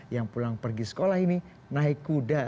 yang pulang pergi sekolah ini naik kuda